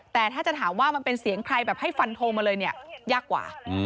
แต่ถ้าจะถามว่ามันเป็นเสียงใครแบบให้ฟันโทรมาเลยเนี่ยยากกว่า